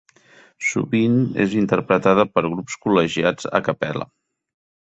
Sovint és interpretada per grups col·legiats a cappella.